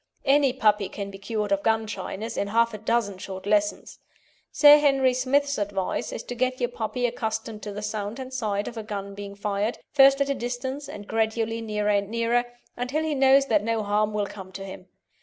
Any puppy can be cured of gun shyness in half a dozen short lessons. Sir Henry Smith's advice is to get your puppy accustomed to the sound and sight of a gun being fired, first at a distance and gradually nearer and nearer, until he knows that no harm will come to him.